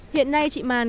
hiện nay chị màn